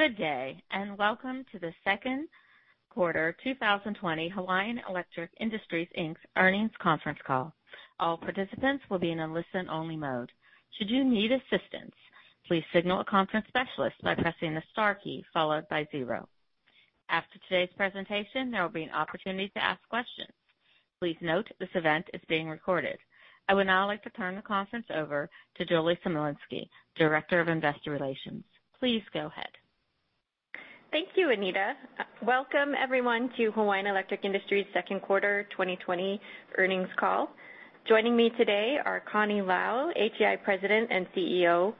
Good day, and welcome to the second quarter 2020 Hawaiian Electric Industries Inc.'s earnings conference call. All participants will be in a listen-only mode. Should you need assistance, please signal the conference specialist by pressing star key followed by zero. After today's presentation, there will be an opportunity to ask questions. Please note this conference is being recorded. I would now like to turn the conference over to Julie Smolinski, Director of Investor Relations. Please go ahead. Thank you, Anita. Welcome everyone to Hawaiian Electric Industries second quarter 2020 earnings call. Joining me today are Connie Lau, HEI President and CEO,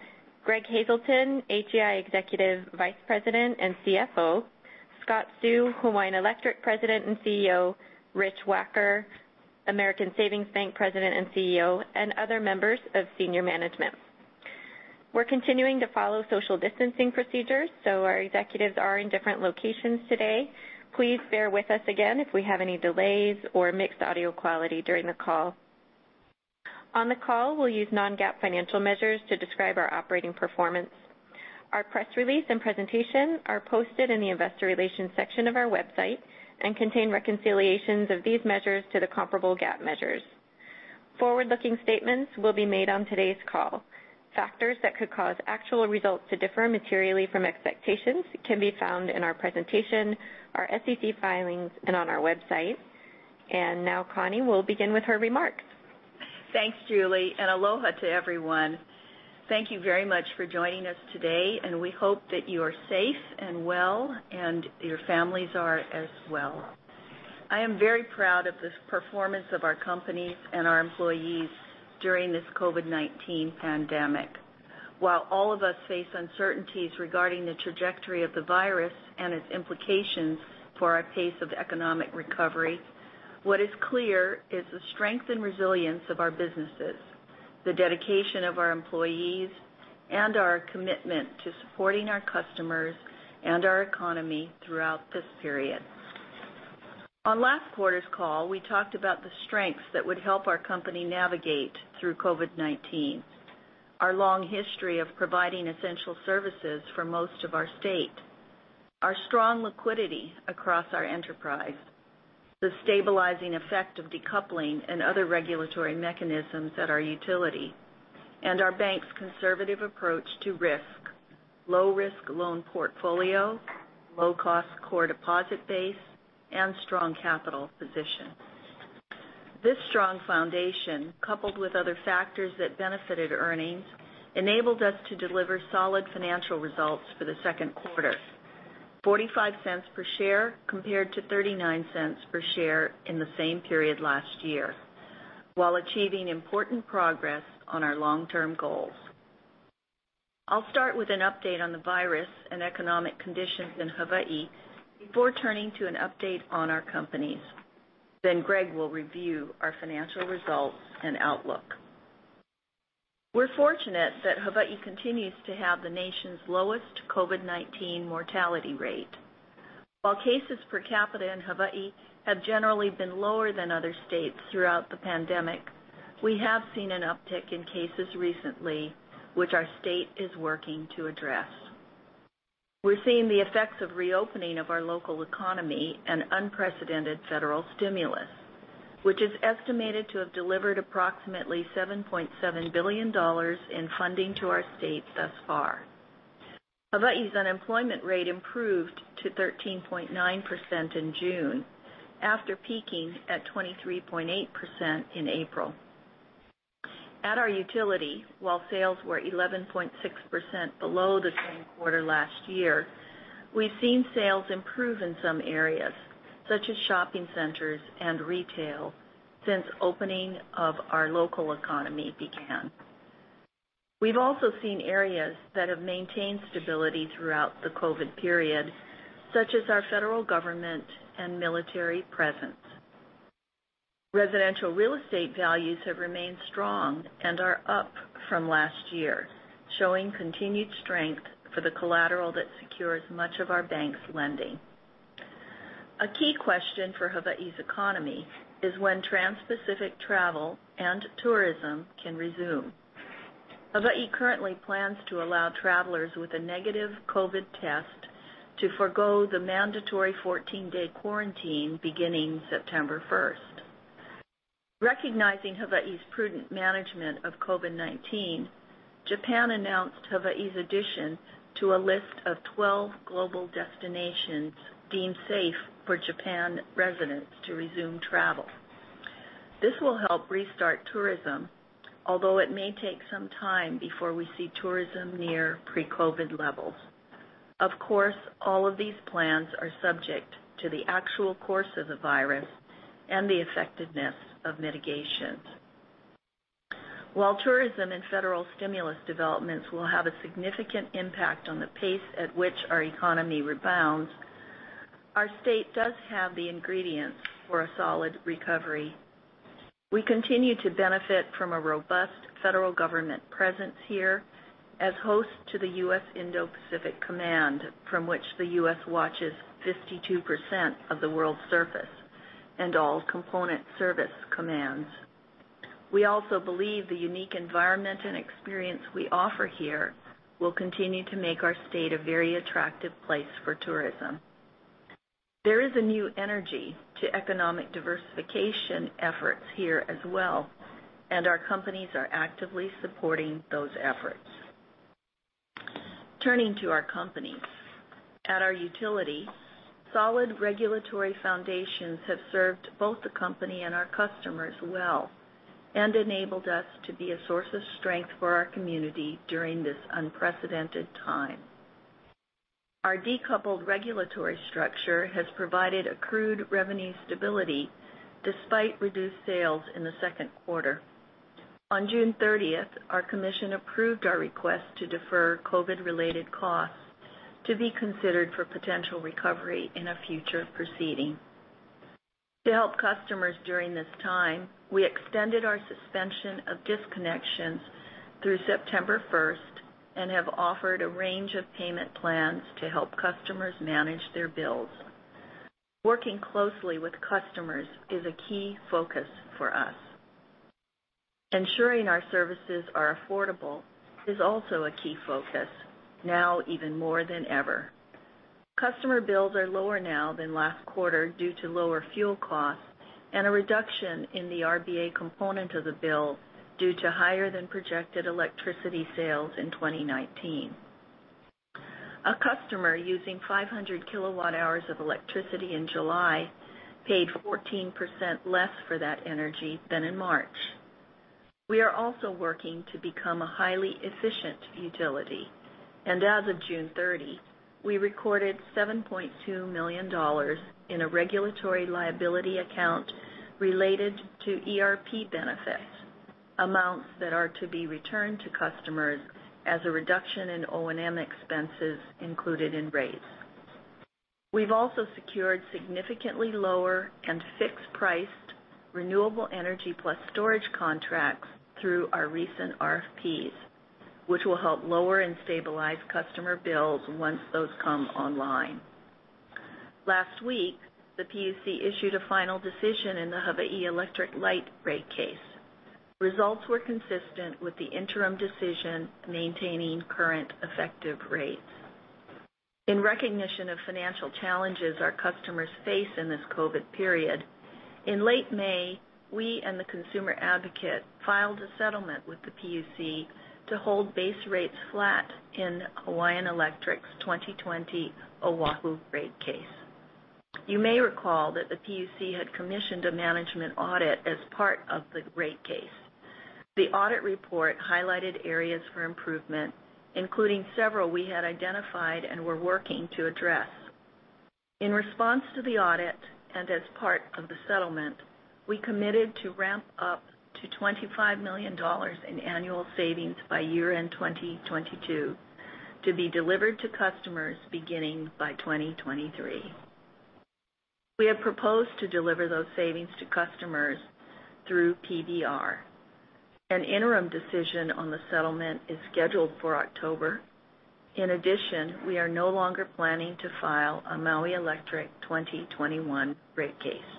Greg Hazelton, HEI Executive Vice President and CFO, Scott Seu, Hawaiian Electric President and CEO, Rich Wacker, American Savings Bank President and CEO, and other members of senior management. We're continuing to follow social distancing procedures, so our executives are in different locations today. Please bear with us again if we have any delays or mixed audio quality during the call. On the call, we'll use non-GAAP financial measures to describe our operating performance. Our press release and presentation are posted in the investor relations section of our website and contain reconciliations of these measures to the comparable GAAP measures. Forward-looking statements will be made on today's call. Factors that could cause actual results to differ materially from expectations can be found in our presentation, our SEC filings, and on our website. Now Connie will begin with her remarks. Thanks, Julie, and aloha to everyone. Thank you very much for joining us today, and we hope that you are safe and well, and your families are as well. I am very proud of the performance of our company and our employees during this COVID-19 pandemic. While all of us face uncertainties regarding the trajectory of the virus and its implications for our pace of economic recovery, what is clear is the strength and resilience of our businesses, the dedication of our employees, and our commitment to supporting our customers and our economy throughout this period. On last quarter's call, we talked about the strengths that would help our company navigate through COVID-19. Our long history of providing essential services for most of our state, our strong liquidity across our enterprise, the stabilizing effect of decoupling and other regulatory mechanisms at our utility, and our bank's conservative approach to risk, low risk loan portfolio, low cost core deposit base, and strong capital position. This strong foundation, coupled with other factors that benefited earnings, enabled us to deliver solid financial results for the second quarter. $0.45 per share compared to $0.39 per share in the same period last year, while achieving important progress on our long-term goals. I'll start with an update on the virus and economic conditions in Hawaii before turning to an update on our companies. Greg will review our financial results and outlook. We're fortunate that Hawaii continues to have the nation's lowest COVID-19 mortality rate. While cases per capita in Hawaii have generally been lower than other states throughout the pandemic, we have seen an uptick in cases recently, which our state is working to address. We're seeing the effects of reopening of our local economy and unprecedented federal stimulus, which is estimated to have delivered approximately $7.7 billion in funding to our state thus far. Hawaii's unemployment rate improved to 13.9% in June, after peaking at 23.8% in April. At our utility, while sales were 11.6% below the same quarter last year, we've seen sales improve in some areas, such as shopping centers and retail, since opening of our local economy began. We've also seen areas that have maintained stability throughout the COVID period, such as our federal government and military presence. Residential real estate values have remained strong and are up from last year, showing continued strength for the collateral that secures much of our bank's lending. A key question for Hawaii's economy is when transpacific travel and tourism can resume. Hawaii currently plans to allow travelers with a negative COVID test to forego the mandatory 14-day quarantine beginning September 1st. Recognizing Hawaii's prudent management of COVID-19, Japan announced Hawaii's addition to a list of 12 global destinations deemed safe for Japan residents to resume travel. This will help restart tourism, although it may take some time before we see tourism near pre-COVID levels. Of course, all of these plans are subject to the actual course of the virus and the effectiveness of mitigations. While tourism and federal stimulus developments will have a significant impact on the pace at which our economy rebounds, our state does have the ingredients for a solid recovery. We continue to benefit from a robust federal government presence here as host to the U.S. Indo-Pacific Command, from which the U.S. watches 52% of the world's surface and all component service commands. We also believe the unique environment and experience we offer here will continue to make our state a very attractive place for tourism. There is a new energy to economic diversification efforts here as well, and our companies are actively supporting those efforts. Turning to our company. At our utility, solid regulatory foundations have served both the company and our customers well and enabled us to be a source of strength for our community during this unprecedented time. Our decoupled regulatory structure has provided accrued revenue stability despite reduced sales in the second quarter. On June 30th, our commission approved our request to defer COVID-related costs to be considered for potential recovery in a future proceeding. To help customers during this time, we extended our suspension of disconnections through September 1st and have offered a range of payment plans to help customers manage their bills. Working closely with customers is a key focus for us. Ensuring our services are affordable is also a key focus, now even more than ever. Customer bills are lower now than last quarter due to lower fuel costs and a reduction in the RBA component of the bill due to higher than projected electricity sales in 2019. A customer using 500 kWh of electricity in July paid 14% less for that energy than in March. We are also working to become a highly efficient utility. As of June 30th, we recorded $7.2 million in a regulatory liability account related to ERP benefits, amounts that are to be returned to customers as a reduction in O&M expenses included in rates. We've also secured significantly lower and fixed-priced renewable energy plus storage contracts through our recent RFPs, which will help lower and stabilize customer bills once those come online. Last week, the PUC issued a final decision in the Hawaii Electric Light rate case. Results were consistent with the interim decision, maintaining current effective rates. In recognition of financial challenges our customers face in this COVID period, in late May, we and the consumer advocate filed a settlement with the PUC to hold base rates flat in Hawaiian Electric's 2020 Oahu rate case. You may recall that the PUC had commissioned a management audit as part of the rate case. The audit report highlighted areas for improvement, including several we had identified and were working to address. In response to the audit and as part of the settlement, we committed to ramp up to $25 million in annual savings by year-end 2022, to be delivered to customers beginning by 2023. We have proposed to deliver those savings to customers through PBR. An interim decision on the settlement is scheduled for October. We are no longer planning to file a Maui Electric 2021 rate case.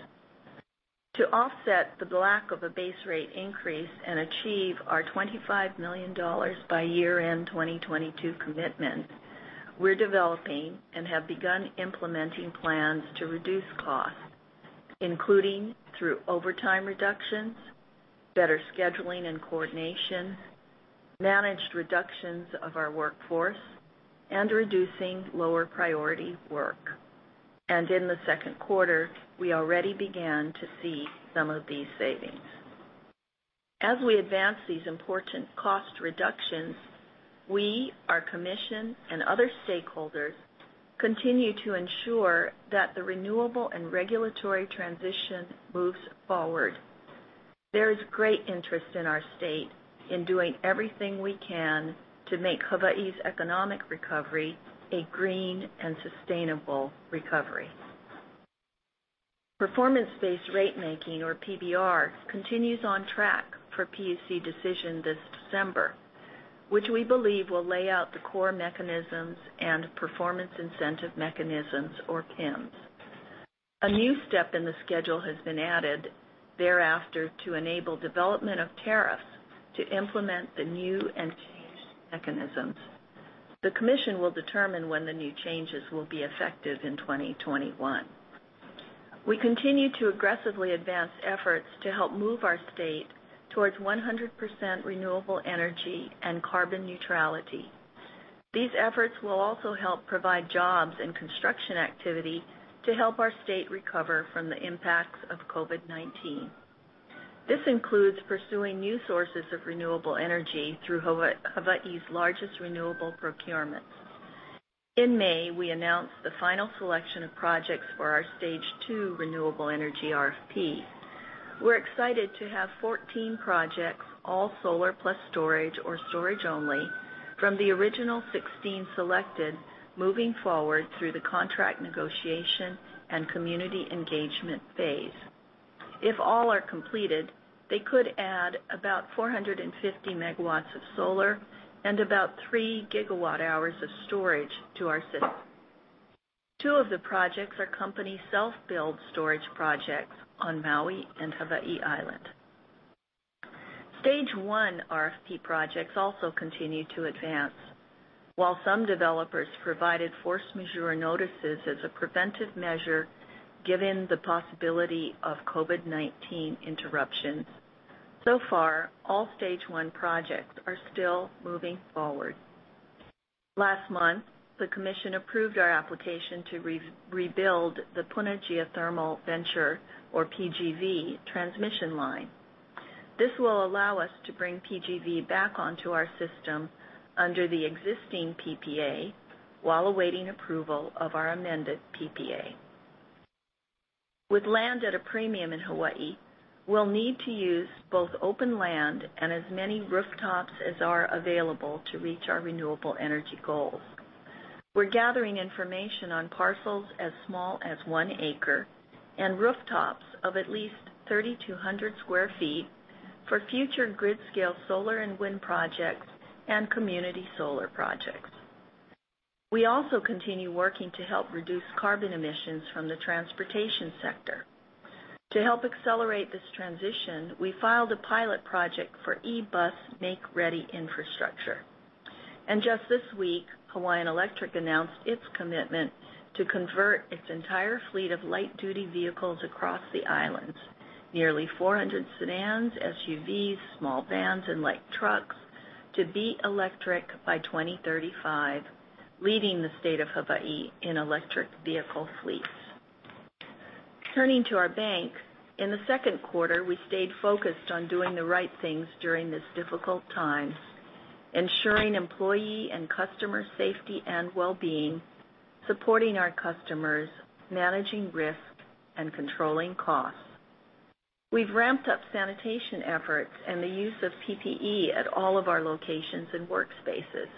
To offset the lack of a base rate increase and achieve our $25 million by year-end 2022 commitment, we're developing and have begun implementing plans to reduce costs, including through overtime reductions, better scheduling and coordination, managed reductions of our workforce, and reducing lower priority work. In the second quarter, we already began to see some of these savings. As we advance these important cost reductions, we, our commission, and other stakeholders continue to ensure that the renewable and regulatory transition moves forward. There is great interest in our state in doing everything we can to make Hawaii's economic recovery a green and sustainable recovery. Performance-based rate making, or PBR, continues on track for PUC decision this December, which we believe will lay out the core mechanisms and performance incentive mechanisms, or PIMs. A new step in the schedule has been added thereafter to enable development of tariffs to implement the new and changed mechanisms. The commission will determine when the new changes will be effective in 2021. We continue to aggressively advance efforts to help move our state towards 100% renewable energy and carbon neutrality. These efforts will also help provide jobs and construction activity to help our state recover from the impacts of COVID-19. This includes pursuing new sources of renewable energy through Hawaii's largest renewable procurements. In May, we announced the final selection of projects for our stage 2 renewable energy RFP. We're excited to have 14 projects, all solar plus storage or storage only, from the original 16 selected moving forward through the contract negotiation and community engagement phase. If all are completed, they could add about 450 MW of solar and about 3 GWh of storage to our system. Two of the projects are company self-build storage projects on Maui and Hawaii Island. Stage 1 RFP projects also continue to advance. While some developers provided force majeure notices as a preventive measure, given the possibility of COVID-19 interruptions, so far, all stage 1 projects are still moving forward. Last month, the Commission approved our application to rebuild the Puna Geothermal Venture, or PGV, transmission line. This will allow us to bring PGV back onto our system under the existing PPA while awaiting approval of our amended PPA. With land at a premium in Hawaii, we'll need to use both open land and as many rooftops as are available to reach our renewable energy goals. We're gathering information on parcels as small as one acre and rooftops of at least 3,200 square feet for future grid-scale solar and wind projects and community solar projects. We also continue working to help reduce carbon emissions from the transportation sector. To help accelerate this transition, we filed a pilot project for eBus make-ready infrastructure. Just this week, Hawaiian Electric announced its commitment to convert its entire fleet of light-duty vehicles across the islands, nearly 400 sedans, SUVs, small vans, and light trucks to be electric by 2035, leading the state of Hawaii in electric vehicle fleets. Turning to our bank, in the second quarter, we stayed focused on doing the right things during this difficult time, ensuring employee and customer safety and wellbeing, supporting our customers, managing risk, and controlling costs. We've ramped up sanitation efforts and the use of PPE at all of our locations and workspaces,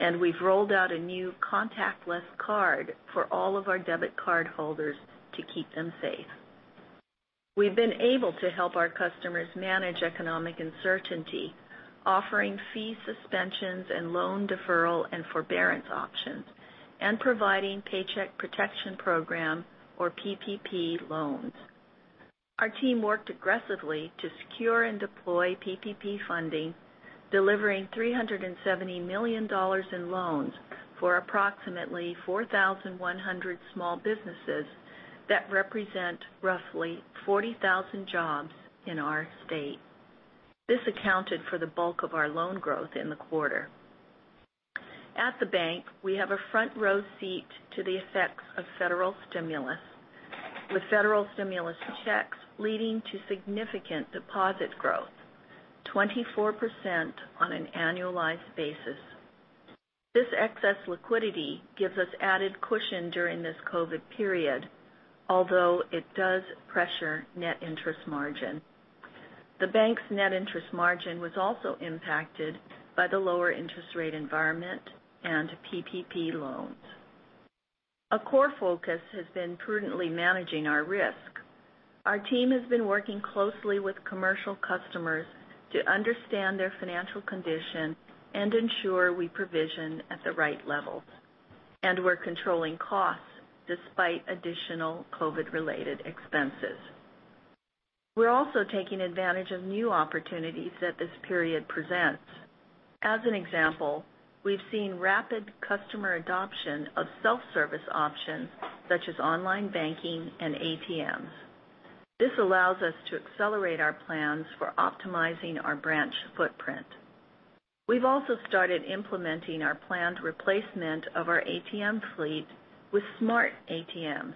and we've rolled out a new contactless card for all of our debit card holders to keep them safe. We've been able to help our customers manage economic uncertainty, offering fee suspensions and loan deferral and forbearance options, and providing Paycheck Protection Program, or PPP, loans. Our team worked aggressively to secure and deploy PPP funding, delivering $370 million in loans for approximately 4,100 small businesses that represent roughly 40,000 jobs in our state. This accounted for the bulk of our loan growth in the quarter. At the bank, we have a front row seat to the effects of federal stimulus, with federal stimulus checks leading to significant deposit growth, 24% on an annualized basis. This excess liquidity gives us added cushion during this COVID period, although it does pressure net interest margin. The bank's net interest margin was also impacted by the lower interest rate environment and PPP loans. A core focus has been prudently managing our risk. Our team has been working closely with commercial customers to understand their financial condition and ensure we provision at the right levels, and we're controlling costs despite additional COVID-related expenses. We're also taking advantage of new opportunities that this period presents. As an example, we've seen rapid customer adoption of self-service options such as online banking and ATMs. This allows us to accelerate our plans for optimizing our branch footprint. We've also started implementing our planned replacement of our ATM fleet with smart ATMs,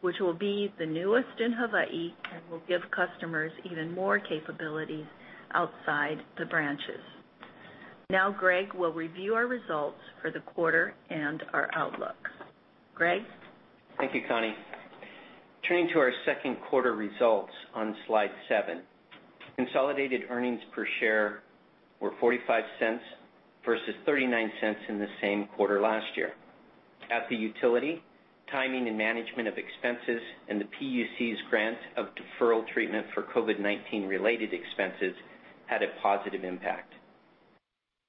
which will be the newest in Hawaii and will give customers even more capabilities outside the branches. Greg will review our results for the quarter and our outlook. Greg? Thank you, Connie. Turning to our second quarter results on slide seven. Consolidated earnings per share were $0.45 versus $0.39 in the same quarter last year. At the utility, timing and management of expenses and the PUC's grant of deferral treatment for COVID-19-related expenses had a positive impact.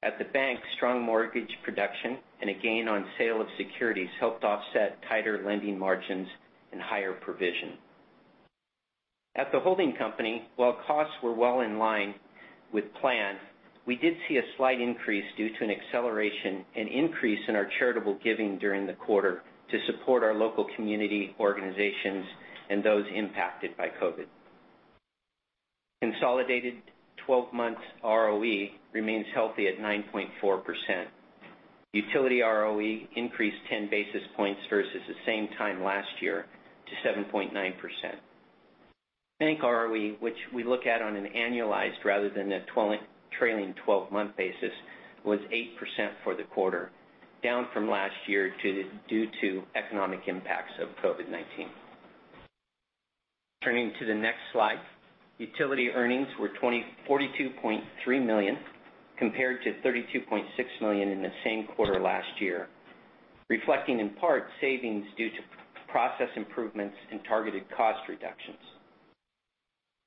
At the bank, strong mortgage production and a gain on sale of securities helped offset tighter lending margins and higher provision. At the holding company, while costs were well in line with plan, we did see a slight increase due to an acceleration and increase in our charitable giving during the quarter to support our local community organizations and those impacted by COVID. Consolidated 12 months ROE remains healthy at 9.4%. Utility ROE increased 10 basis points versus the same time last year to 7.9%. Bank ROE, which we look at on an annualized rather than a trailing 12-month basis, was 8% for the quarter, down from last year due to economic impacts of COVID-19. Turning to the next slide, utility earnings were $42.3 million compared to $32.6 million in the same quarter last year, reflecting in part savings due to process improvements and targeted cost reductions.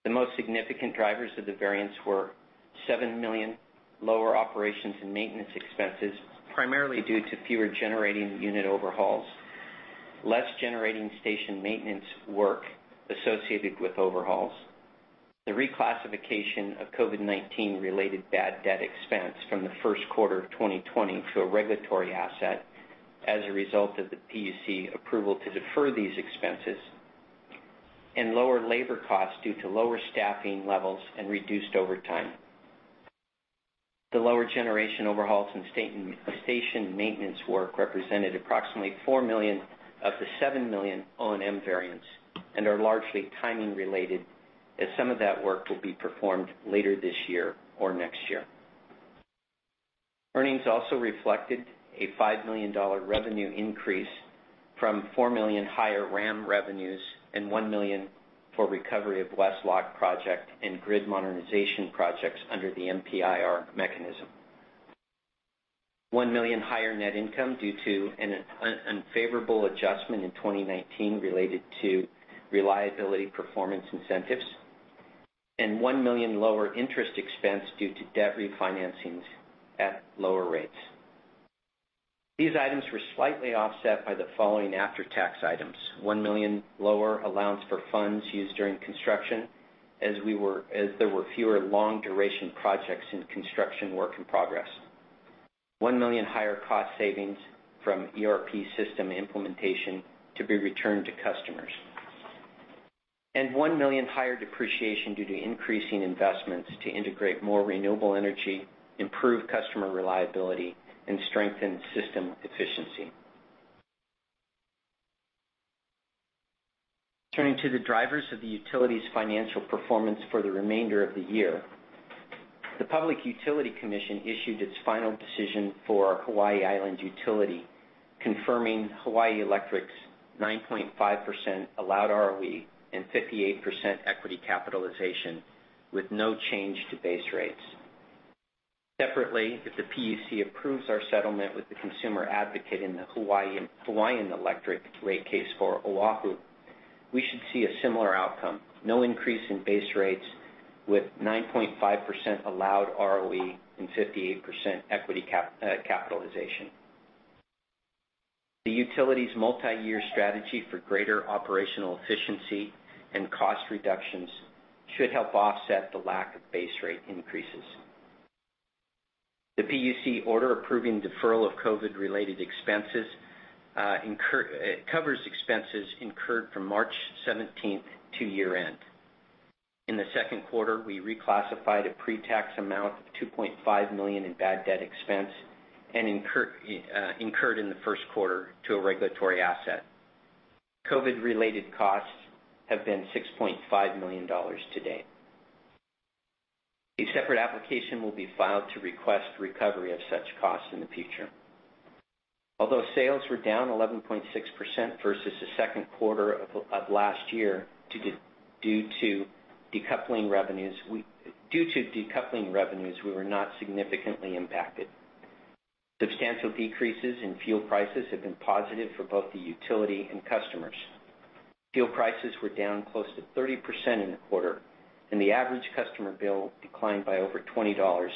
The most significant drivers of the variance were $7 million lower operations and maintenance expenses, primarily due to fewer generating unit overhauls, less generating station maintenance work associated with overhauls, the reclassification of COVID-19 related bad debt expense from the first quarter of 2020 to a regulatory asset as a result of the PUC approval to defer these expenses, and lower labor costs due to lower staffing levels and reduced overtime. The lower generation overhauls and station maintenance work represented approximately $4 million of the $7 million O&M variance and are largely timing related, as some of that work will be performed later this year or next year. Earnings also reflected a $5 million revenue increase from $4 million higher RAM revenues and $1 million for recovery of West Loch project and grid modernization projects under the MPIR mechanism. One million higher net income due to an unfavorable adjustment in 2019 related to reliability performance incentives, and $1 million lower interest expense due to debt refinancings at lower rates. These items were slightly offset by the following after-tax items. $1 million lower allowance for funds used during construction, as there were fewer long-duration projects in construction work in progress. $1 million higher cost savings from ERP system implementation to be returned to customers. One million higher depreciation due to increasing investments to integrate more renewable energy, improve customer reliability, and strengthen system efficiency. Turning to the drivers of the utility's financial performance for the remainder of the year. The Public Utilities Commission issued its final decision for Hawaii Island Utility, confirming Hawaiian Electric's 9.5% allowed ROE and 58% equity capitalization with no change to base rates. Separately, if the PUC approves our settlement with the consumer advocate in the Hawaiian Electric rate case for Oahu, we should see a similar outcome. No increase in base rates with 9.5% allowed ROE and 58% equity capitalization. The utility's multi-year strategy for greater operational efficiency and cost reductions should help offset the lack of base rate increases. The PUC order approving deferral of COVID-19 related expenses, covers expenses incurred from March 17th to year-end. In the second quarter, we reclassified a pre-tax amount of $2.5 million in bad debt expense and incurred in the first quarter to a regulatory asset. COVID related costs have been $6.5 million to date. A separate application will be filed to request recovery of such costs in the future. Although sales were down 11.6% versus the second quarter of last year due to decoupling revenues, we were not significantly impacted. Substantial decreases in fuel prices have been positive for both the utility and customers. Fuel prices were down close to 30% in the quarter, and the average customer bill declined by over $20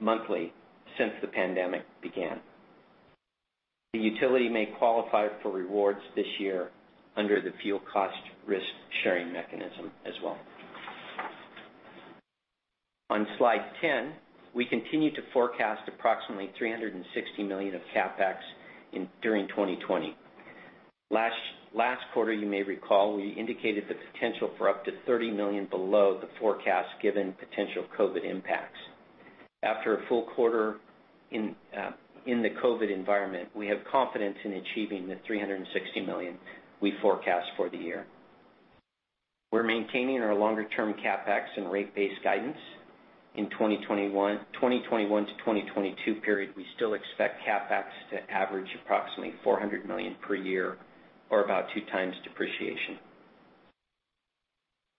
monthly since the pandemic began. The utility may qualify for rewards this year under the fuel cost risk-sharing mechanism as well. On slide 10, we continue to forecast approximately $360 million of CapEx during 2020. Last quarter, you may recall, we indicated the potential for up to $30 million below the forecast given potential COVID impacts. After a full quarter in the COVID environment, we have confidence in achieving the $360 million we forecast for the year. We're maintaining our longer-term CapEx and rate base guidance in 2021 to 2022 period. We still expect CapEx to average approximately $400 million per year or about two times depreciation.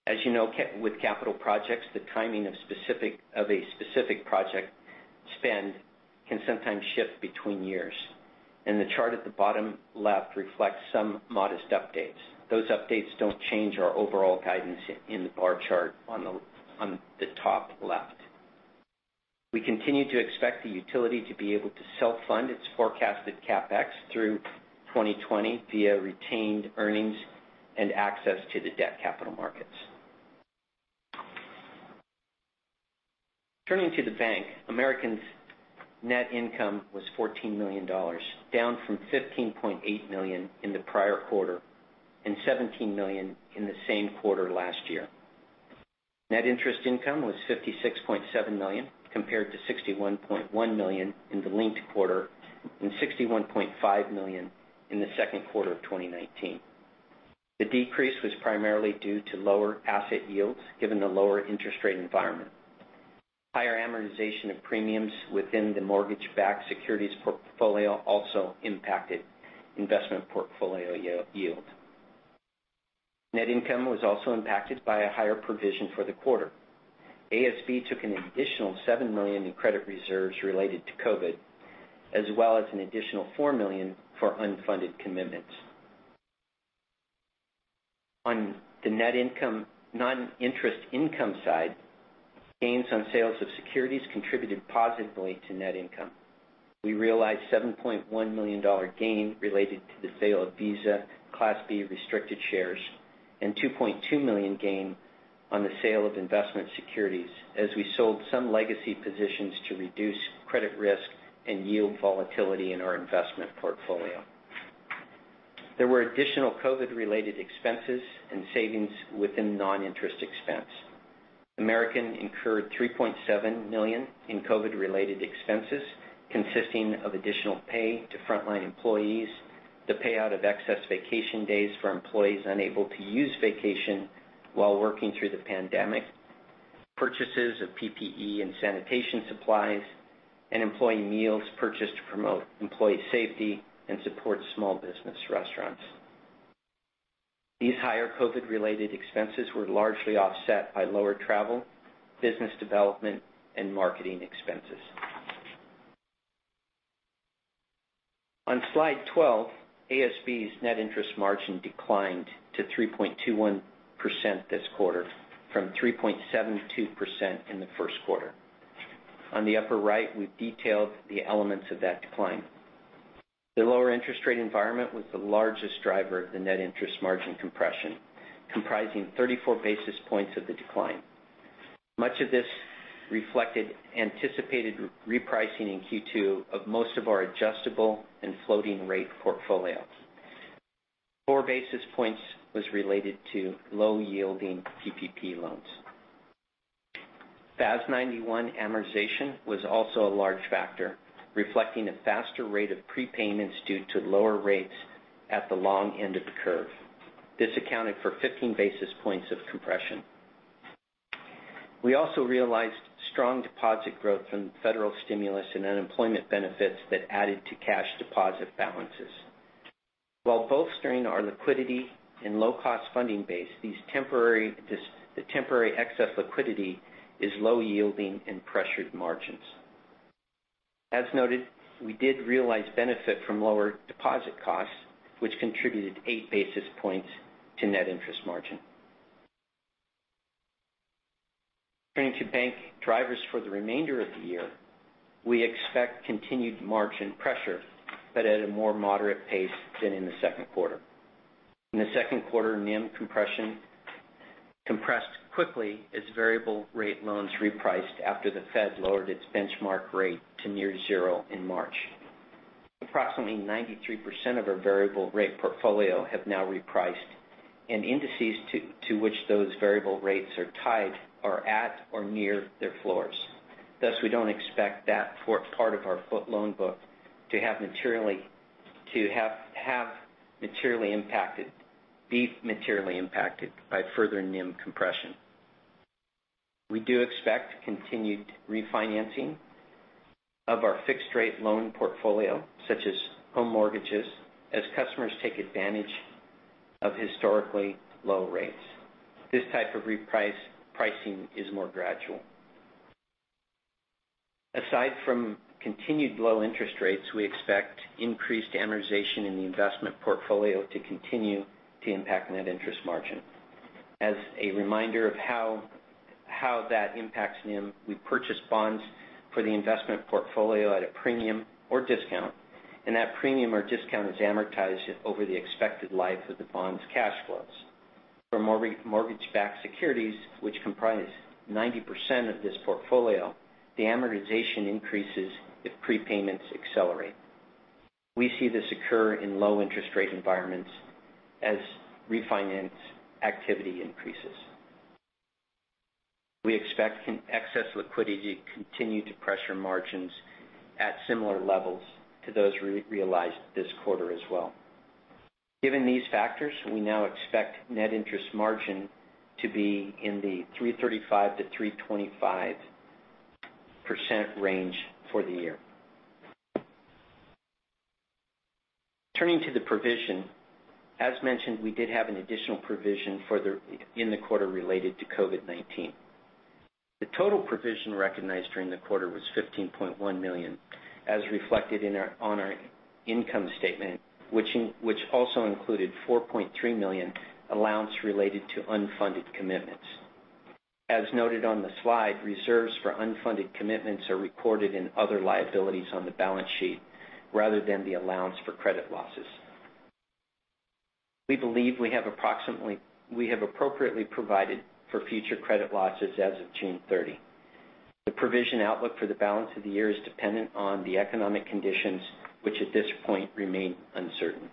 As you know, with capital projects, the timing of a specific project spend can sometimes shift between years, and the chart at the bottom left reflects some modest updates. Those updates don't change our overall guidance in the bar chart on the top left. We continue to expect the utility to be able to self-fund its forecasted CapEx through 2020 via retained earnings and access to the debt capital markets. Turning to the bank, American's net income was $14 million, down from $15.8 million in the prior quarter and $17 million in the same quarter last year. Net interest income was $56.7 million, compared to $61.1 million in the linked quarter and $61.5 million in the second quarter of 2019. The decrease was primarily due to lower asset yields, given the lower interest rate environment. Higher amortization of premiums within the mortgage-backed securities portfolio also impacted investment portfolio yield. Net income was also impacted by a higher provision for the quarter. ASB took an additional $7 million in credit reserves related to COVID, as well as an additional $4 million for unfunded commitments. On the net income, non-interest income side, gains on sales of securities contributed positively to net income. We realized a $7.1 million gain related to the sale of Visa Class B restricted shares and a $2.2 million gain on the sale of investment securities as we sold some legacy positions to reduce credit risk and yield volatility in our investment portfolio. There were additional COVID-related expenses and savings within non-interest expense. American incurred $3.7 million in COVID-related expenses, consisting of additional pay to frontline employees, the payout of excess vacation days for employees unable to use vacation while working through the pandemic, purchases of PPE and sanitation supplies, and employee meals purchased to promote employee safety and support small business restaurants. These higher COVID-related expenses were largely offset by lower travel, business development, and marketing expenses. On slide 12, ASB's net interest margin declined to 3.21% this quarter from 3.72% in the first quarter. On the upper right, we've detailed the elements of that decline. The lower interest rate environment was the largest driver of the net interest margin compression, comprising 34 basis points of the decline. Much of this reflected anticipated repricing in Q2 of most of our adjustable and floating rate portfolios. Four basis points was related to low-yielding PPP loans. FAS 91 amortization was also a large factor, reflecting a faster rate of prepayments due to lower rates at the long end of the curve. This accounted for 15 basis points of compression. We also realized strong deposit growth from federal stimulus and unemployment benefits that added to cash deposit balances. While bolstering our liquidity and low-cost funding base, the temporary excess liquidity is low yielding and pressured margins. As noted, we did realize benefit from lower deposit costs, which contributed 8 basis points to net interest margin. Turning to bank drivers for the remainder of the year, we expect continued margin pressure, but at a more moderate pace than in the second quarter. In the second quarter, NIM compressed quickly as variable rate loans repriced after the Fed lowered its benchmark rate to near zero in March. Approximately 93% of our variable rate portfolio have now repriced, and indices to which those variable rates are tied are at or near their floors. Thus, we don't expect that part of our loan book to be materially impacted by further NIM compression. We do expect continued refinancing of our fixed-rate loan portfolio, such as home mortgages, as customers take advantage of historically low rates. This type of re-pricing is more gradual. Aside from continued low interest rates, we expect increased amortization in the investment portfolio to continue to impact net interest margin. As a reminder of how that impacts NIM, we purchase bonds for the investment portfolio at a premium or discount, and that premium or discount is amortized over the expected life of the bond's cash flows. For mortgage-backed securities, which comprise 90% of this portfolio, the amortization increases if prepayments accelerate. We see this occur in low interest rate environments as refinance activity increases. We expect excess liquidity to continue to pressure margins at similar levels to those realized this quarter as well. Given these factors, we now expect net interest margin to be in the 3.35%-3.25% range for the year. Turning to the provision, as mentioned, we did have an additional provision in the quarter related to COVID-19. The total provision recognized during the quarter was $15.1 million, as reflected on our income statement, which also included $4.3 million allowance related to unfunded commitments. As noted on the slide, reserves for unfunded commitments are recorded in other liabilities on the balance sheet rather than the allowance for credit losses. We believe we have appropriately provided for future credit losses as of June 30th. The provision outlook for the balance of the year is dependent on the economic conditions, which at this point remain uncertain.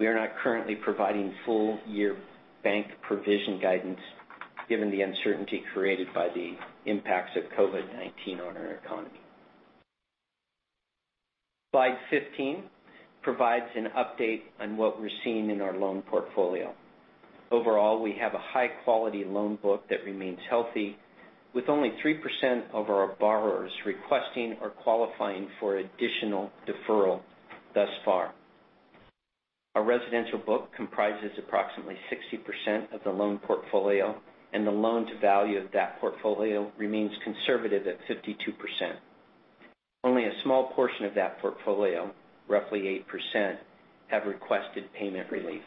We are not currently providing full-year bank provision guidance given the uncertainty created by the impacts of COVID-19 on our economy. Slide 15 provides an update on what we're seeing in our loan portfolio. Overall, we have a high-quality loan book that remains healthy with only 3% of our borrowers requesting or qualifying for additional deferral thus far. Our residential book comprises approximately 60% of the loan portfolio, and the loan-to-value of that portfolio remains conservative at 52%. Only a small portion of that portfolio, roughly 8%, have requested payment relief.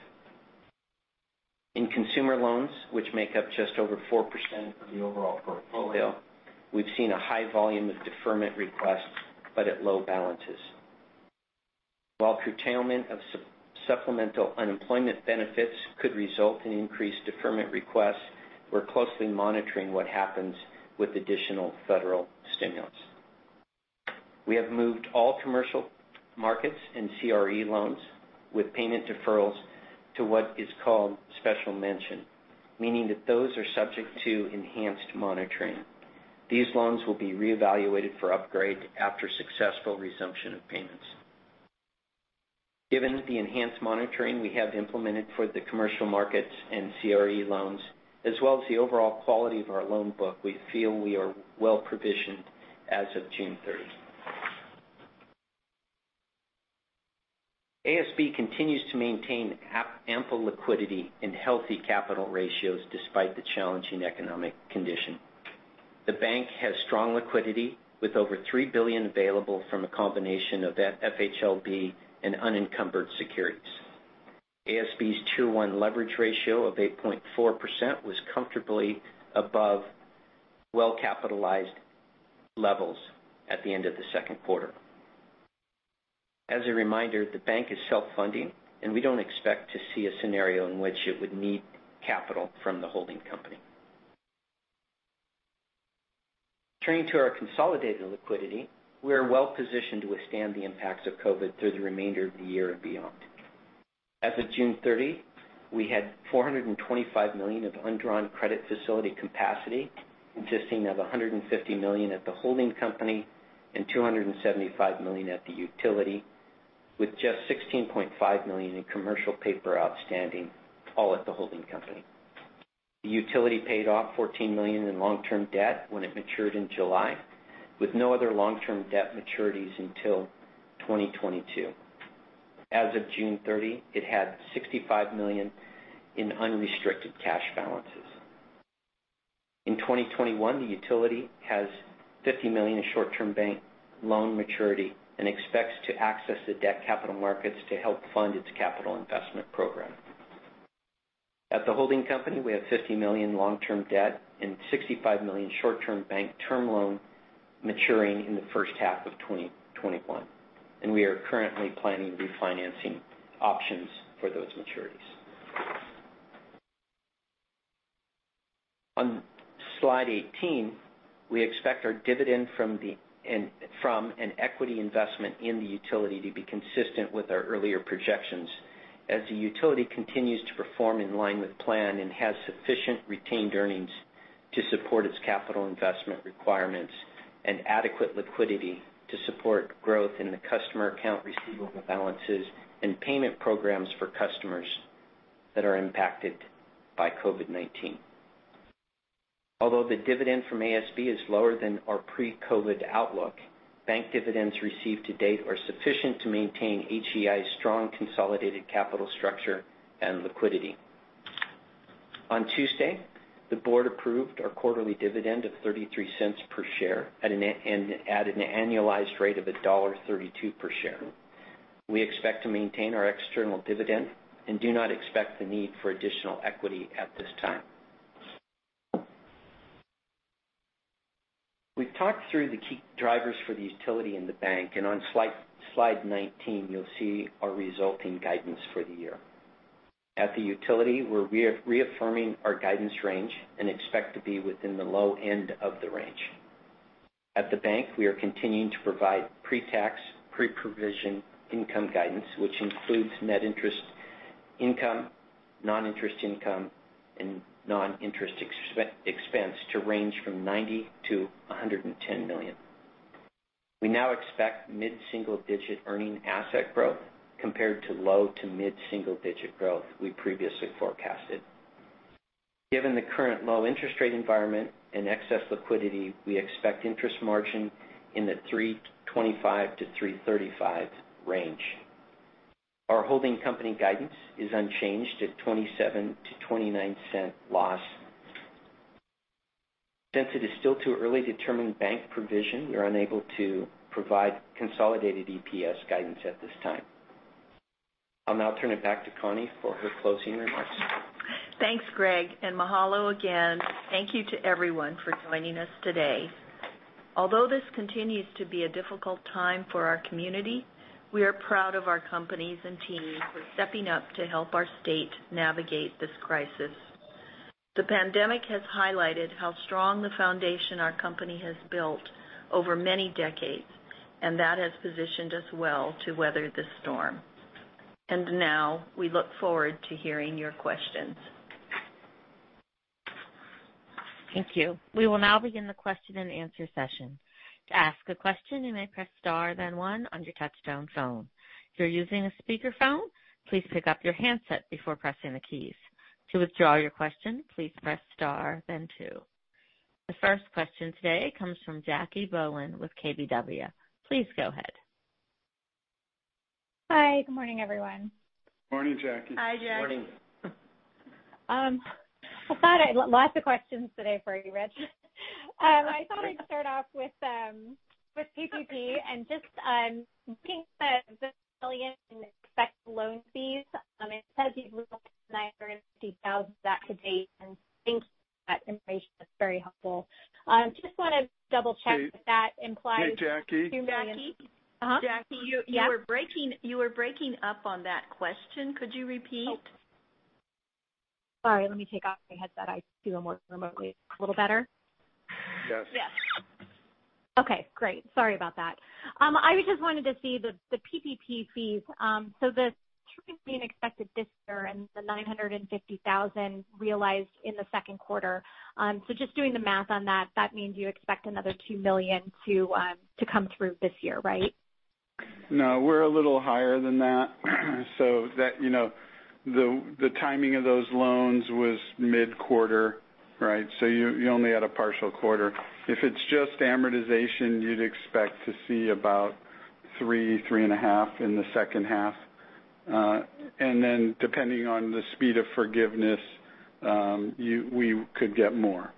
In consumer loans, which make up just over 4% of the overall portfolio, we've seen a high volume of deferment requests but at low balances. While curtailment of supplemental unemployment benefits could result in increased deferment requests, we're closely monitoring what happens with additional federal stimulus. We have moved all commercial markets and CRE loans with payment deferrals to what is called special mention, meaning that those are subject to enhanced monitoring. These loans will be reevaluated for upgrade after successful resumption of payments. Given the enhanced monitoring we have implemented for the commercial markets and CRE loans, as well as the overall quality of our loan book, we feel we are well-provisioned as of June 30th. ASB continues to maintain ample liquidity and healthy capital ratios despite the challenging economic condition. The bank has strong liquidity with over $3 billion available from a combination of FHLB and unencumbered securities. ASB's Tier 1 leverage ratio of 8.4% was comfortably above well-capitalized levels at the end of the second quarter. As a reminder, the bank is self-funding, we don't expect to see a scenario in which it would need capital from the holding company. Turning to our consolidated liquidity, we are well positioned to withstand the impacts of COVID through the remainder of the year and beyond. As of June 30th, we had $425 million of undrawn credit facility capacity, consisting of $150 million at the holding company and $275 million at the utility, with just $16.5 million in commercial paper outstanding, all at the holding company. The utility paid off $14 million in long-term debt when it matured in July, with no other long-term debt maturities until 2022. As of June 30, it had $65 million in unrestricted cash balances. In 2021, the utility has $50 million in short-term bank loan maturity and expects to access the debt capital markets to help fund its capital investment program. At the holding company, we have $50 million long-term debt and $65 million short-term bank term loan maturing in the first half of 2021. We are currently planning refinancing options for those maturities. On slide 18, we expect our dividend from an equity investment in the utility to be consistent with our earlier projections as the utility continues to perform in line with plan and has sufficient retained earnings to support its capital investment requirements and adequate liquidity to support growth in the customer account receivable balances and payment programs for customers that are impacted by COVID-19. Although the dividend from ASB is lower than our pre-COVID-19 outlook, bank dividends received to date are sufficient to maintain HEI's strong consolidated capital structure and liquidity. On Tuesday, the board approved our quarterly dividend of $0.33 per share at an annualized rate of $1.32 per share. We expect to maintain our external dividend and do not expect the need for additional equity at this time. We've talked through the key drivers for the utility in the bank, and on slide 19, you'll see our resulting guidance for the year. At the utility, we're reaffirming our guidance range and expect to be within the low end of the range. At the bank, we are continuing to provide pre-tax, pre-provision income guidance, which includes net interest income, non-interest income, and non-interest expense to range from $90 million-$110 million. We now expect mid-single-digit earning asset growth compared to low to mid-single-digit growth we previously forecasted. Given the current low interest rate environment and excess liquidity, we expect interest margin in the 325-335 range. Our holding company guidance is unchanged at $0.27-$0.29 loss. Since it is still too early to determine bank provision, we are unable to provide consolidated EPS guidance at this time. I'll now turn it back to Connie for her closing remarks. Thanks, Greg, and mahalo again. Thank you to everyone for joining us today. Although this continues to be a difficult time for our community, we are proud of our companies and teams for stepping up to help our state navigate this crisis. The pandemic has highlighted how strong the foundation our company has built over many decades, and that has positioned us well to weather this storm. Now we look forward to hearing your questions. Thank you. We will now begin the question and answer session. To ask a question, you may press star then one on your touchtone phone. If you're using a speakerphone, please pick up your handset before pressing the keys. To withdraw your question, please press star then two. The first question today comes from Jacquelynne Bohlen with KBW. Please go ahead. Hi. Good morning, everyone. Morning, Jackie. Hi, Jackie. Morning. I have lots of questions today for you, Rich. I thought I'd start off with PPP and just being said, the $13 million in expected loan fees. It says you've $950,000 to date. I think that information is very helpful. I just want to double-check that implies. Hey, Jackie. Jackie? Jackie, you were breaking up on that question. Could you repeat? Sorry, let me take off the headset. I assume working remotely is a little better. Yes. Okay, great. Sorry about that. I just wanted to see the PPP fees. The $13 million expected this year and the $950,000 realized in the second quarter. Just doing the math on that means you expect another $2 million to come through this year, right? No. We're a little higher than that. The timing of those loans was mid-quarter, right? You only had a partial quarter. If it's just amortization, you'd expect to see about three and a half in the second half. Then depending on the speed of forgiveness, we could get more.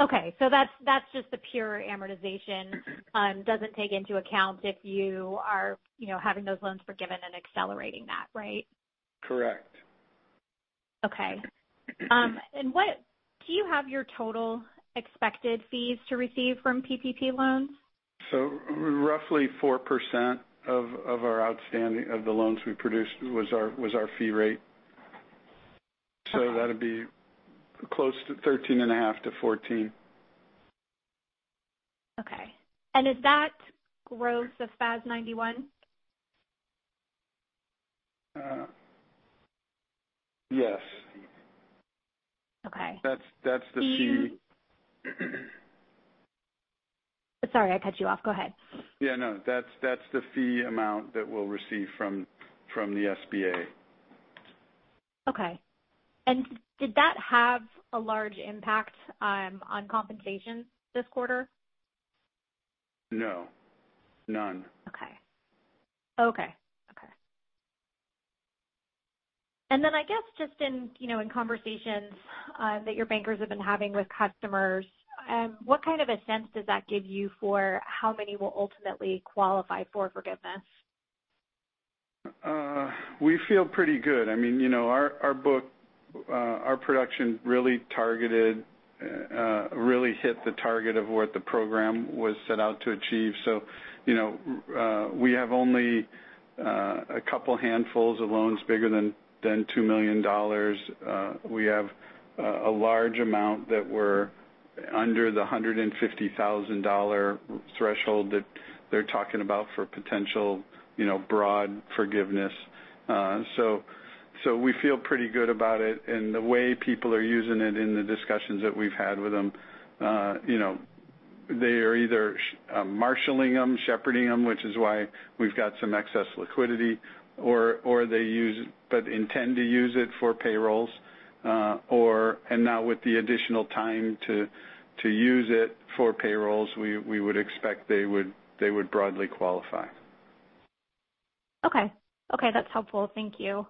Okay. That's just the pure amortization, doesn't take into account if you are having those loans forgiven and accelerating that, right? Correct. Okay. Do you have your total expected fees to receive from PPP loans? Roughly 4% of the loans we produced was our fee rate. Okay. That'd be close to 13.5 to 14. Okay. Is that gross of FAS 91? Yes. Okay. That's the fee. Sorry, I cut you off. Go ahead. Yeah, no, that's the fee amount that we'll receive from the SBA. Okay. Did that have a large impact on compensation this quarter? No. None. Okay. I guess just in conversations that your bankers have been having with customers, what kind of a sense does that give you for how many will ultimately qualify for forgiveness? We feel pretty good. Our production really hit the target of what the Program was set out to achieve. We have only a couple handfuls of loans bigger than $2 million. We have a large amount that were under the $150,000 threshold that they're talking about for potential broad forgiveness. We feel pretty good about it. The way people are using it in the discussions that we've had with them, they are either marshaling them, shepherding them, which is why we've got some excess liquidity, or they intend to use it for payrolls. Now with the additional time to use it for payrolls, we would expect they would broadly qualify. Okay. That's helpful. Thank you.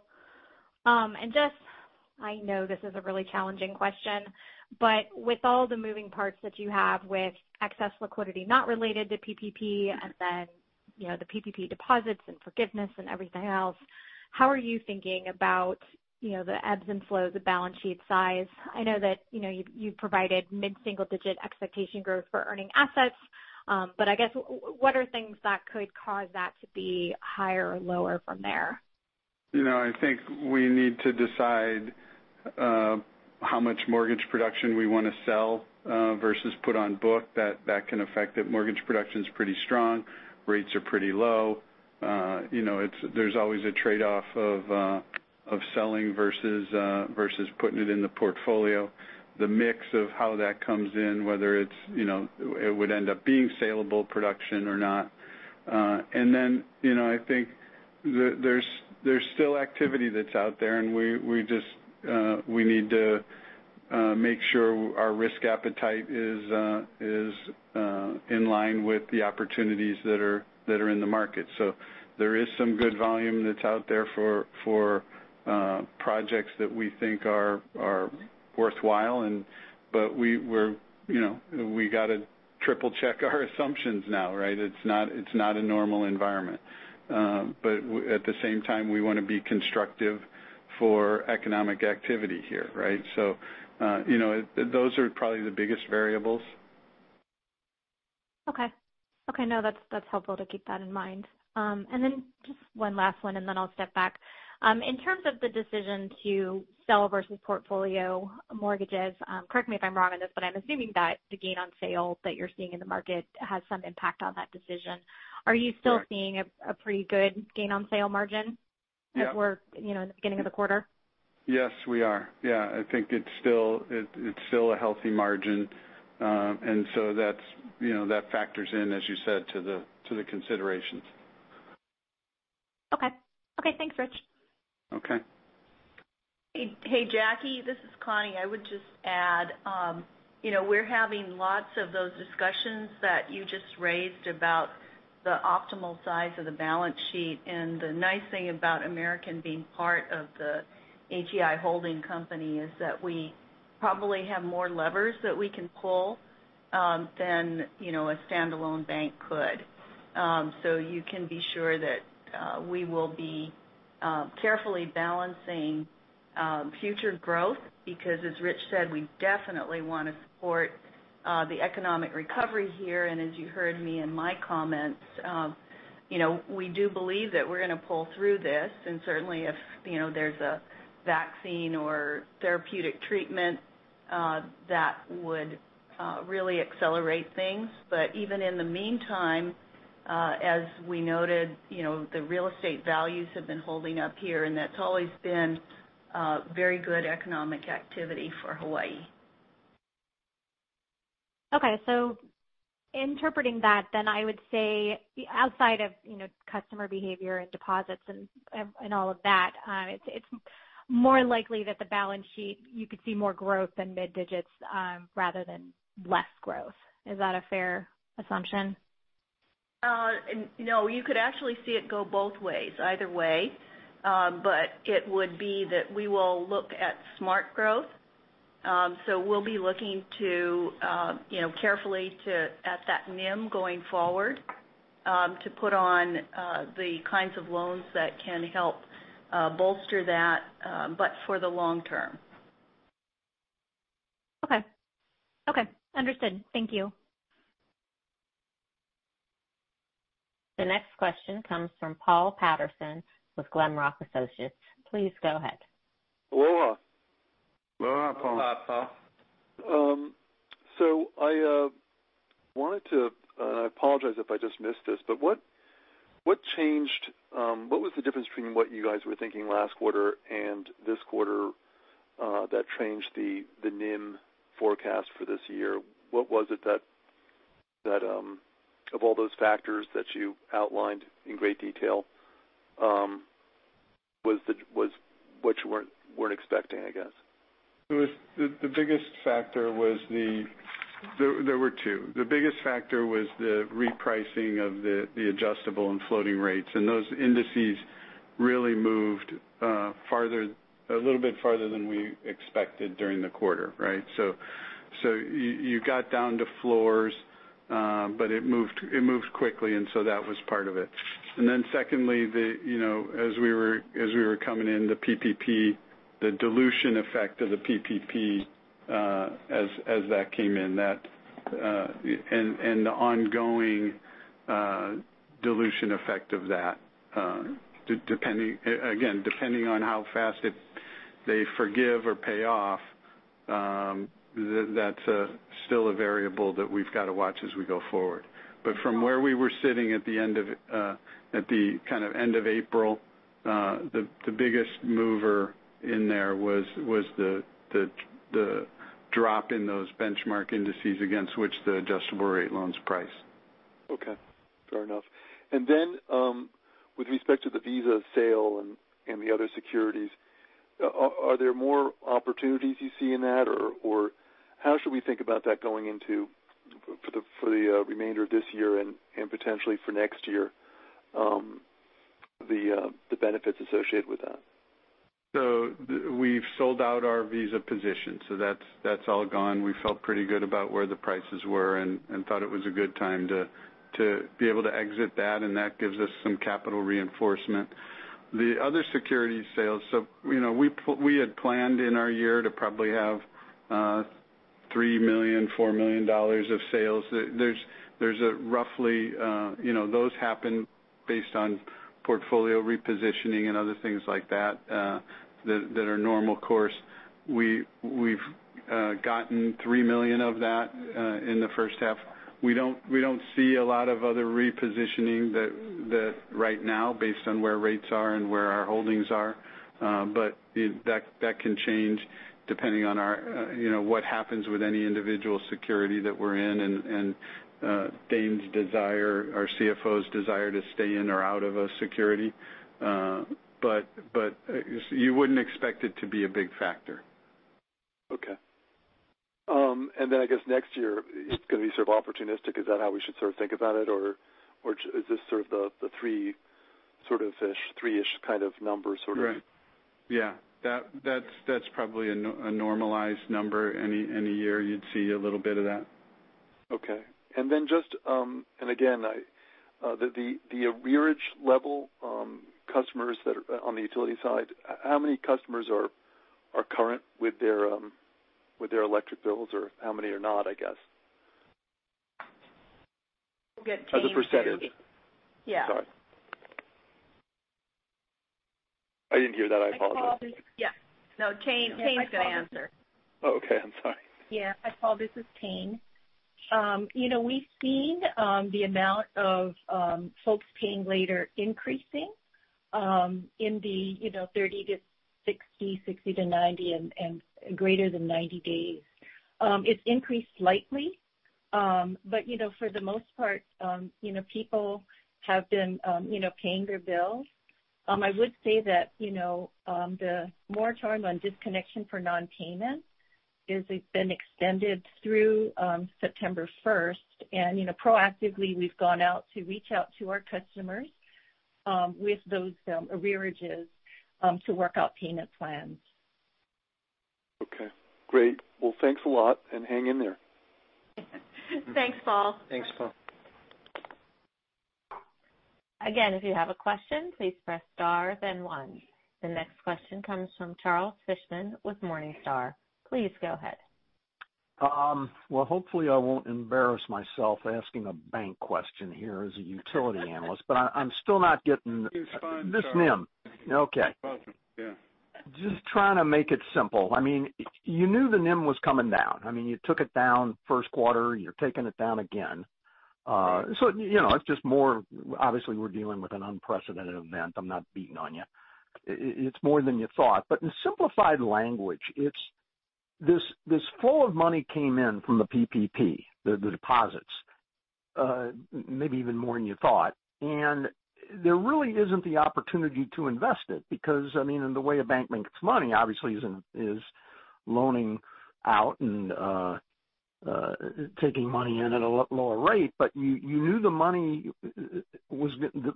I know this is a really challenging question, with all the moving parts that you have with excess liquidity not related to PPP, and then the PPP deposits and forgiveness and everything else, how are you thinking about the ebbs and flows of balance sheet size? I know that you've provided mid-single-digit expectation growth for earning assets. I guess what are things that could cause that to be higher or lower from there? I think we need to decide how much mortgage production we want to sell versus put on book that can affect it. Mortgage production's pretty strong. Rates are pretty low. There's always a trade-off of selling versus putting it in the portfolio. The mix of how that comes in, whether it would end up being saleable production or not. I think there's still activity that's out there, and we need to make sure our risk appetite is in line with the opportunities that are in the market. There is some good volume that's out there for projects that we think are worthwhile, but we got to triple check our assumptions now, right? It's not a normal environment. At the same time, we want to be constructive for economic activity here, right? Those are probably the biggest variables. Okay. No, that's helpful to keep that in mind. Then just one last one, and then I'll step back. In terms of the decision to sell versus portfolio mortgages, correct me if I'm wrong on this, but I'm assuming that the gain on sale that you're seeing in the market has some impact on that decision. Right. Are you still seeing a pretty good gain on sale margin? Yeah at work in the beginning of the quarter? Yes, we are. Yeah. I think it's still a healthy margin. That factors in, as you said, to the considerations. Okay. Thanks, Rich. Okay. Hey, Jackie. This is Connie. I would just add we're having lots of those discussions that you just raised about the optimal size of the balance sheet. The nice thing about American being part of the HEI holding company is that we probably have more levers that we can pull than a standalone bank could. You can be sure that we will be carefully balancing future growth because, as Rich said, we definitely want to support the economic recovery here. As you heard me in my comments we do believe that we're going to pull through this. Certainly if there's a vaccine or therapeutic treatment that would really accelerate things. Even in the meantime, as we noted, the real estate values have been holding up here. That's always been very good economic activity for Hawaii. Okay. Interpreting that I would say outside of customer behavior and deposits and all of that, it's more likely that the balance sheet, you could see more growth in mid digits rather than less growth. Is that a fair assumption? No. You could actually see it go both ways. Either way. It would be that we will look at smart growth. We'll be looking carefully at that NIM going forward to put on the kinds of loans that can help bolster that but for the long term. Okay. Understood. Thank you. The next question comes from Paul Patterson with Glenrock Associates. Please go ahead. Aloha. Aloha, Paul. Aloha, Paul. I wanted to apologize if I just missed this, but what was the difference between what you guys were thinking last quarter and this quarter that changed the NIM forecast for this year? What was it that of all those factors that you outlined in great detail which you weren't expecting, I guess? There were two. The biggest factor was the repricing of the adjustable and floating rates, and those indices really moved a little bit farther than we expected during the quarter, right? You got down to floors, but it moved quickly, and so that was part of it. Secondly as we were coming in the dilution effect of the PPP as that came in and the ongoing dilution effect of that again depending on how fast they forgive or pay off, that's still a variable that we've got to watch as we go forward. From where we were sitting at the end of April, the biggest mover in there was the drop in those benchmark indices against which the adjustable rate loans price. Okay. Fair enough. With respect to the Visa sale and the other securities, are there more opportunities you see in that or how should we think about that going into for the remainder of this year and potentially for next year the benefits associated with that? We've sold out our Visa position. That's all gone. We felt pretty good about where the prices were and thought it was a good time to be able to exit that, and that gives us some capital reinforcement. The other security sales. We had planned in our year to probably have $3 million, $4 million of sales. Those happen based on portfolio repositioning and other things like that are normal course. We've gotten $3 million of that in the first half. We don't see a lot of other repositioning right now based on where rates are and where our holdings are. That can change depending on what happens with any individual security that we're in and Tayne's desire, our CFO's desire to stay in or out of a security. You wouldn't expect it to be a big factor. Okay. I guess next year it's going to be sort of opportunistic. Is that how we should sort of think about it or is this sort of the three-ish kind of number? Right. Yeah. That's probably a normalized number. Any year you'd see a little bit of that. Okay. Again, the arrearage level customers that are on the utility side, how many customers are current with their electric bills or how many are not, I guess? As a percentage. We'll get Tayne. Sorry. I didn't hear that. I apologize. Yeah. No, Tayne's going to answer. Oh, okay. I'm sorry. Yeah. Hi, Paul, this is Tayne. We've seen the amount of folks paying later increasing in the 30 days-60 days, 60 days-90 days and greater than 90 days. It's increased slightly. For the most part, people have been paying their bills. I would say that the moratorium on disconnection for non-payment has been extended through September 1st, and proactively, we've gone out to reach out to our customers with those arrearages to work out payment plans. Okay, great. Well, thanks a lot, and hang in there. Thanks, Paul. Thanks, Paul. Again, if you have a question, please press star, then one. The next question comes from Charles Fishman with Morningstar. Please go ahead. Well, hopefully I won't embarrass myself asking a bank question here as a utility analyst. I'm still not getting. It's fine, Charles. This NIM. Okay. Welcome. Yeah. Just trying to make it simple. You knew the NIM was coming down. You took it down first quarter, you're taking it down again. It's just more, obviously, we're dealing with an unprecedented event. I'm not beating on you. It's more than you thought. In simplified language, this flow of money came in from the PPP, the deposits, maybe even more than you thought. There really isn't the opportunity to invest it because the way a bank makes money, obviously, is loaning out and taking money in at a lower rate. You knew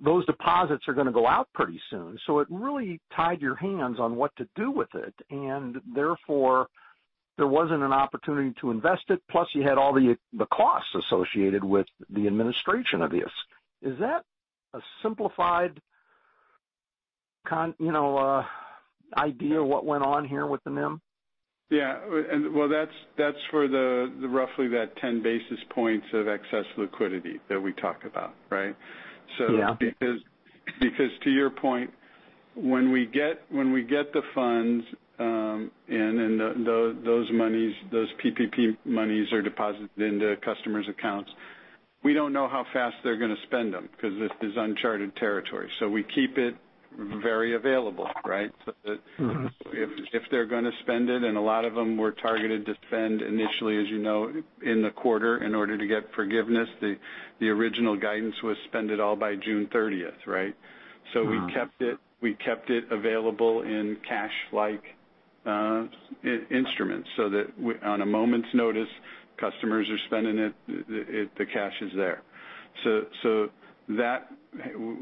those deposits are going to go out pretty soon, so it really tied your hands on what to do with it, and therefore, there wasn't an opportunity to invest it. Plus, you had all the costs associated with the administration of this. Is that a simplified idea what went on here with the NIM? Yeah. Well, that's for the roughly that 10 basis points of excess liquidity that we talk about, right? Yeah. To your point, when we get the funds in and those PPP monies are deposited into customers' accounts, we don't know how fast they're going to spend them because this is uncharted territory. We keep it very available, right? That if they're going to spend it, and a lot of them were targeted to spend initially, as you know, in the quarter in order to get forgiveness. The original guidance was spend it all by June 30th, right? We kept it available in cash-like instruments so that on a moment's notice, customers are spending it, the cash is there.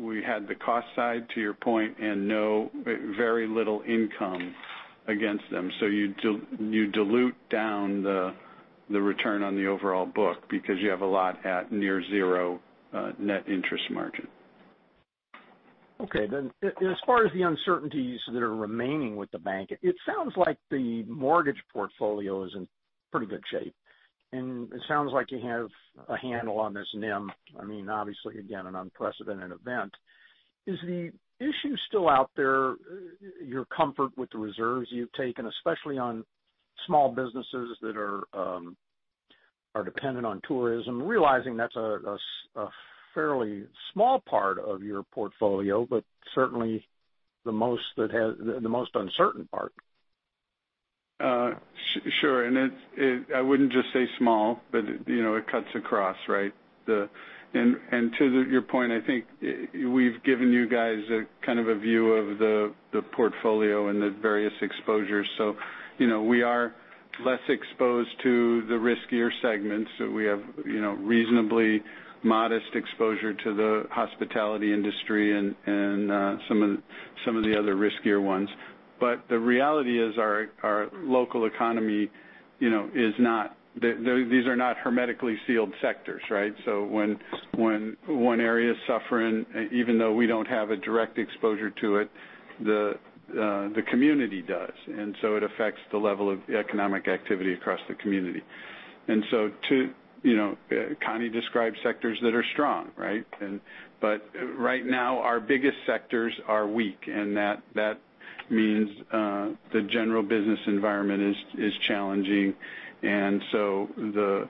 We had the cost side, to your point, and very little income against them. You dilute down the return on the overall book because you have a lot at near zero net interest margin. Okay, as far as the uncertainties that are remaining with the bank, it sounds like the mortgage portfolio is in pretty good shape, and it sounds like you have a handle on this NIM. Obviously, again, an unprecedented event. Is the issue still out there your comfort with the reserves you've taken, especially on small businesses that are dependent on tourism? Realizing that's a fairly small part of your portfolio, but certainly the most uncertain part. Sure. I wouldn't just say small, but it cuts across, right? To your point, I think we've given you guys a kind of a view of the portfolio and the various exposures. We are less exposed to the riskier segments. We have reasonably modest exposure to the hospitality industry and some of the other riskier ones. The reality is our local economy, these are not hermetically sealed sectors, right? When one area is suffering, even though we don't have a direct exposure to it, the community does. It affects the level of economic activity across the community. Connie described sectors that are strong, right? Right now, our biggest sectors are weak, and that means the general business environment is challenging. The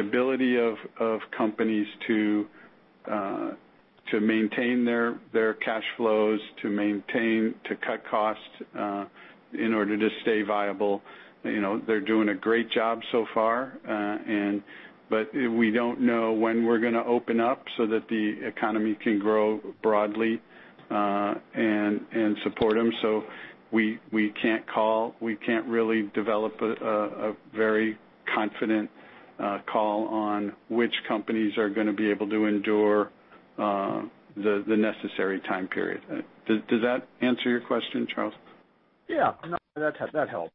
ability of companies to maintain their cash flows, to cut costs in order to stay viable, they're doing a great job so far. We don't know when we're going to open up so that the economy can grow broadly and support them. We can't really develop a very confident call on which companies are going to be able to endure the necessary time period. Does that answer your question, Charles? Yeah. No, that helps.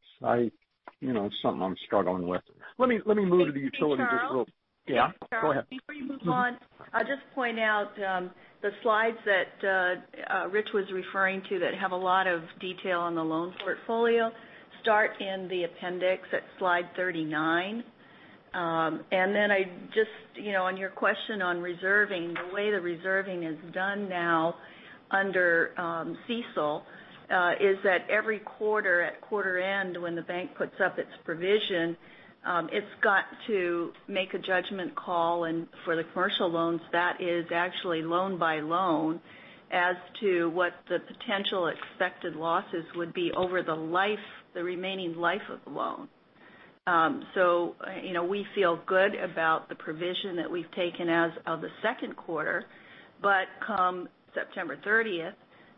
Something I'm struggling with. Let me move to the utility just real- Thank you, Charles. Yeah, go ahead. Before you move on, I'll just point out the slides that Rich was referring to that have a lot of detail on the loan portfolio. Start in the appendix at slide 39. Then on your question on reserving, the way the reserving is done now under CECL is that every quarter at quarter end when the bank puts up its provision, it's got to make a judgment call, and for the commercial loans, that is actually loan by loan as to what the potential expected losses would be over the remaining life of the loan. We feel good about the provision that we've taken as of the second quarter, but come September 30th,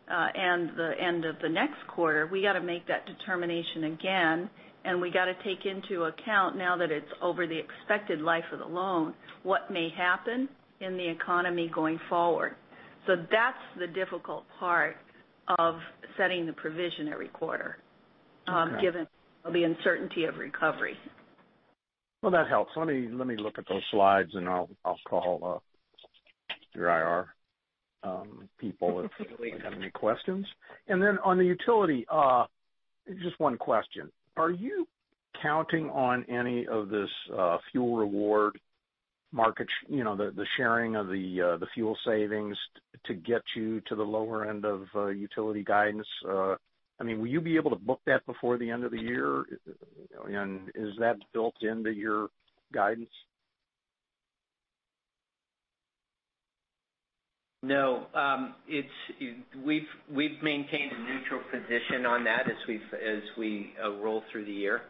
and the end of the next quarter, we got to make that determination again, and we got to take into account now that it's over the expected life of the loan, what may happen in the economy going forward. That's the difficult part of setting the provision every quarter. Okay given the uncertainty of recovery. Well, that helps. Let me look at those slides and I'll call your IR people if they have any questions. On the utility, just one question. Are you counting on any of this fuel reward market, the sharing of the fuel savings to get you to the lower end of utility guidance? Will you be able to book that before the end of the year? Is that built into your guidance? No. We've maintained a neutral position on that as we roll through the year.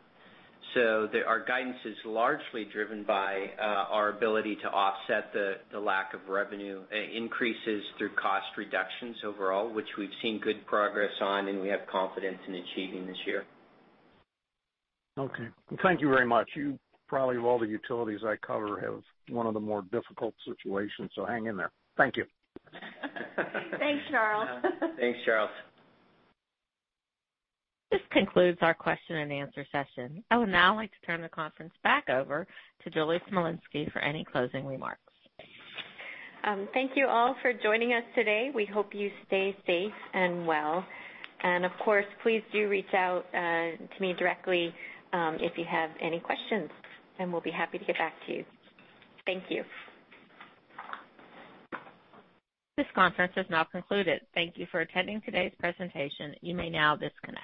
Our guidance is largely driven by our ability to offset the lack of revenue increases through cost reductions overall, which we've seen good progress on, and we have confidence in achieving this year. Okay. Thank you very much. You probably, of all the utilities I cover, have one of the more difficult situations, so hang in there. Thank you. Thanks, Charles. Thanks, Charles. This concludes our question and answer session. I would now like to turn the conference back over to Julie Smolinski for any closing remarks. Thank you all for joining us today. We hope you stay safe and well. Of course, please do reach out to me directly if you have any questions, and we'll be happy to get back to you. Thank you. This conference is now concluded. Thank you for attending today's presentation. You may now disconnect.